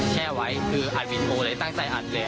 แช่ไว้คืออัดวินโมเลยตั้งใจอัดเลย